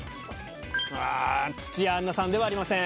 土屋アンナさんではありません。